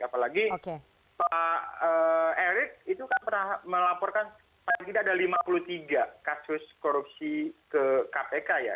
apalagi pak erik itu kan pernah melaporkan paling tidak ada lima puluh tiga kasus korupsi ke kpk ya